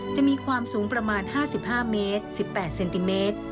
จะมีความสูงประมาณ๕๕เมตร๑๘เซนติเมตร